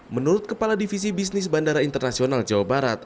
menurut kepala divisi bisnis bandara internasional jawa barat